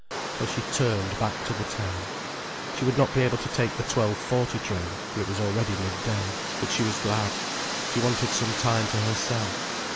So she turned back to the town. She would not be able to take the twelve forty train, for it was already mid day. But she was glad. She wanted some time to herself.